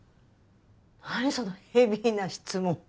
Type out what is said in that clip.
何そのヘビーな質問。